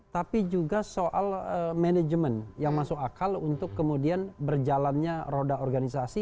tapi juga soal manajemen yang masuk akal untuk kemudian berjalannya roda organisasi